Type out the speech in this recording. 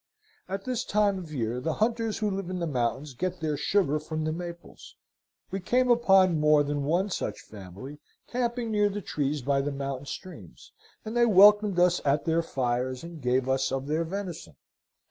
At this time of year the hunters who live in the mountains get their sugar from the maples. We came upon more than one such family, camping near their trees by the mountain streams; and they welcomed us at their fires, and gave us of their venison.